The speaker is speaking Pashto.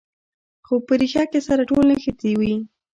خو په ریښه کې سره ټول نښتي وي.